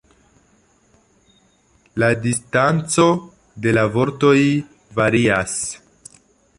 La distanco de la vortoj varias.